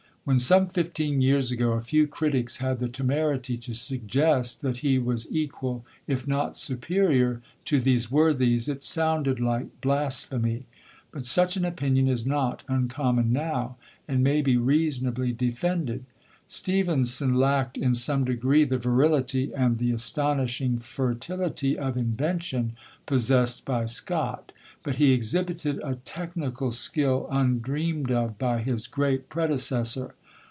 When some fifteen years ago a few critics had the temerity to suggest that he was equal, if not superior, to these worthies, it sounded like blasphemy; but such an opinion is not uncommon now, and may be reasonably defended. Stevenson lacked in some degree the virility and the astonishing fertility of invention possessed by Scott; but he exhibited a technical skill undreamed of by his great predecessor.